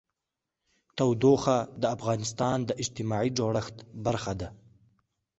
تودوخه د افغانستان د اجتماعي جوړښت برخه ده.